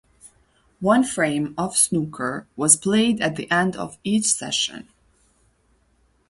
One frame of snooker was played at the end of each session.